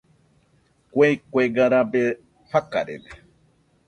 Kue kuega rabe rafarede.